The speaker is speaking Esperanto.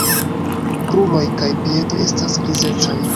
Kruroj kaj piedoj estas grizecaj.